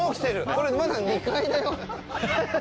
これまだ２階だよ。